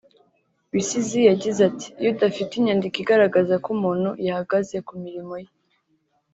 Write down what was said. Bisizi yagize ati “Iyo udafite inyandiko igaragaza ko umuntu yahagaze ku mirimo ye